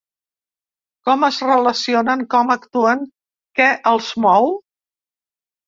Com es relacionen, com actuen, què els mou.